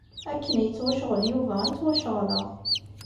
Akken yettwacɣel Yuba i ttwaceɣleɣ.